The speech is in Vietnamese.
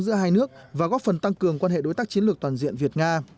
giữa hai nước và góp phần tăng cường quan hệ đối tác chiến lược toàn diện việt nga